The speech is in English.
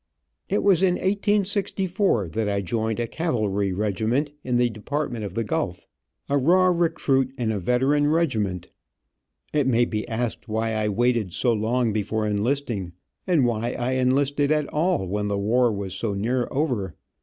It was in 1864 that I joined a cavalry regiment in the department of the Gulf, a raw recruit in a veteran regiment. It may be asked why I waited so long before enlisting, and why I enlisted at all, when the war was so near over.